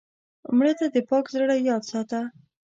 مړه ته د پاک زړه یاد ساته